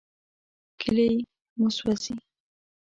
کلي مو سوځي.